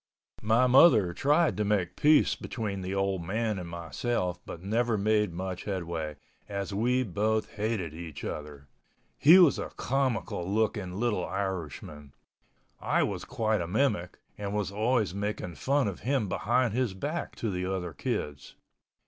My mother tried to make peace between the old man and myself but never made much headway, as we both hated each other. He was a comical looking little Irishman—I was quite a mimic and was always making fun of him behind his back to the other kids.